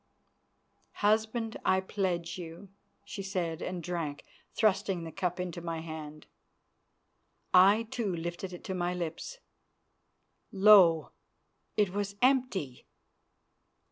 "Husband, I pledge you," she said, and drank, thrusting the cup into my hand. I, too, lifted it to my lips. Lo! it was empty.